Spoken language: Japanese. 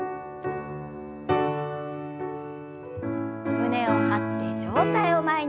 胸を張って上体を前に。